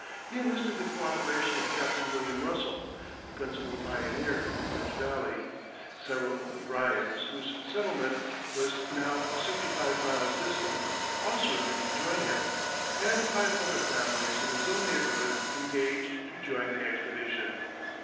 He enlisted the cooperation of Captain William Russell, the principal pioneer in the Clinch Valley; several of the Bryans, whose settlement was now sixty five miles distant, also agreed to join him; and five other families in his own neighborhood engaged to join the expedition.